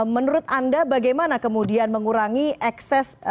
menurut anda bagaimana kemudian mengurangi ekses